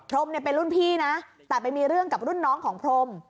รมเนี่ยเป็นรุ่นพี่นะแต่ไปมีเรื่องกับรุ่นน้องของพรม